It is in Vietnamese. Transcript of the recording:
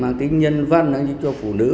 mang tính nhân văn cho phụ nữ